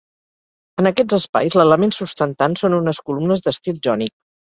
En aquests espais l'element sustentant són unes columnes d'estil jònic.